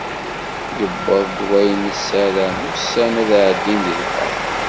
Yewweḍ-d wayen nessaram, ussan ad ɛeddin di lferḥ.